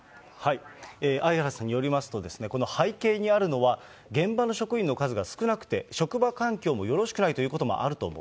相原さんによりますと、この背景にあるのは、現場の職員の数が少なくて、職場環境もよろしくないということもあると思う。